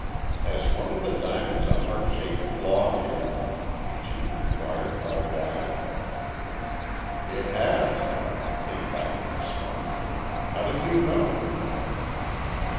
"Has one of the diamonds a heart shaped flaw in it?" the chief inquired by wire. "It has," came back the response. "How did you know it?"